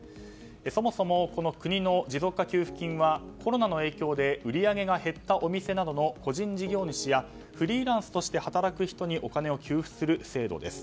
そもそも、国の持続化給付金はコロナの影響で売り上げが減ったお店の個人事業主やフリーランスとして働く人にお金を給付する制度です。